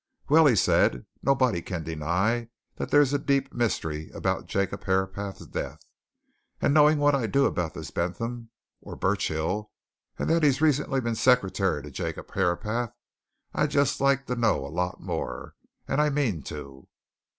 "Well," he said, "nobody can deny that there's a deep mystery about Jacob Herapath's death. And knowing what I do about this Bentham or Burchill, and that he's recently been secretary to Jacob Herapath, I'd just like to know a lot more. And I mean to!"